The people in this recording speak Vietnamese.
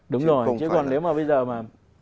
đúng rồi chứ còn nếu mà bây giờ mà